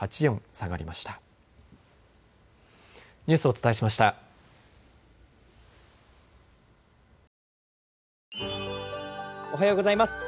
おはようございます。